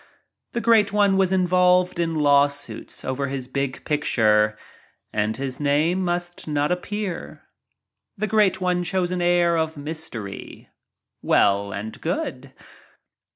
The Great One was in volved in law suits over his big picture and his name must not appear. The Great One chose an air of mystery — well and good.